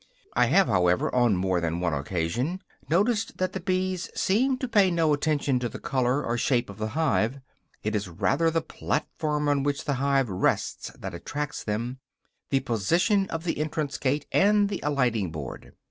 I have, however, on more than one occasion noticed that the bees seem to pay no attention to the color or shape of the hive. It is rather the platform on which the hive rests that attracts them, the position of the entrance gate and of the alighting board.